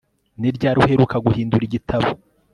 Ni ryari uheruka guhindura igitabo